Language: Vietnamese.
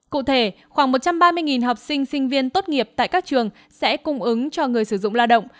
cụ thể khoảng một trăm ba mươi học sinh sinh viên tốt nghiệp tại các trường sẽ cung ứng cho người sử dụng lao động